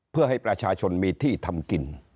เพื่อให้ประชาชนมีที่ทำกิน